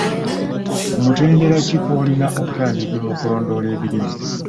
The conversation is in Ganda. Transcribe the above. Ku mutendera ki kw'olina okutandikira okulondoola ebirime?